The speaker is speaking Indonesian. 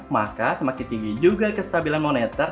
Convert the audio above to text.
maka semakin tinggi juga kestabilan moneter